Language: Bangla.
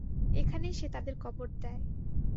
এখানেই সে তাদের কবর দেয়।